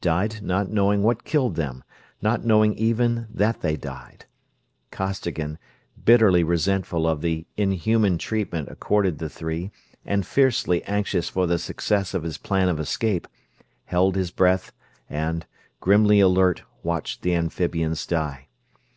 Died not knowing what killed them; not knowing even that they died. Costigan, bitterly resentful of the inhuman treatment accorded the three and fiercely anxious for the success of his plan of escape, held his breath and, grimly alert, watched the amphibians die.